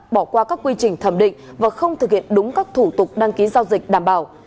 bỏ qua các quy trình thẩm định và không thực hiện đúng các thủ tục đăng ký giao dịch đảm bảo